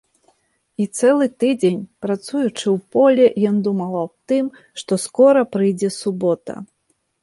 І цэлы тыдзень, працуючы ў полі, ён думаў аб тым, што скора прыйдзе субота.